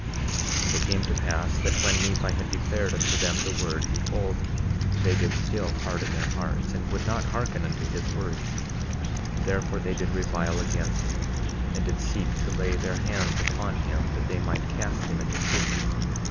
10:15 And it came to pass that when Nephi had declared unto them the word, behold, they did still harden their hearts and would not hearken unto his words; therefore they did revile against him, and did seek to lay their hands upon him that they might cast him into prison.